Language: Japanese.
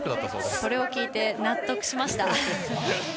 それを聞いて納得しました。